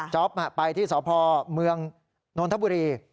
จ๊อปไปที่สพเมืองนทบุรี